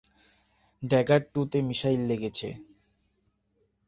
Dagger টু-তে missile লেগেছে।